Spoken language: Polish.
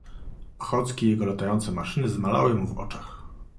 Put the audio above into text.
"Ochocki i jego latające maszyny zmalały mu w oczach."